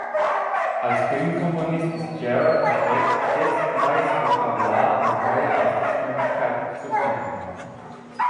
Als Filmkomponist ist Yared bestrebt, stets "„neues Vokabular“" und "„neue Ausdrucksmöglichkeiten“" zu finden.